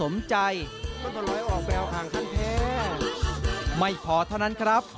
ไม่พอเท่านั้นครับ